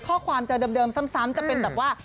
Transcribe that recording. ข้อความจะเดิมซ้ำจะเป็นแบบว่า